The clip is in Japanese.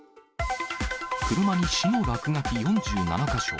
車に死の落書き４７か所。